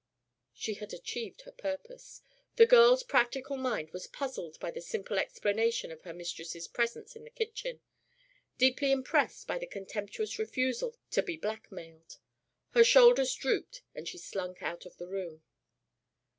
She had achieved her purpose. The girl's practical mind was puzzled by the simple explanation of her mistress' presence in the kitchen, deeply impressed by the contemptuous refusal to be blackmailed. Her shoulders drooped and she slunk out of the room.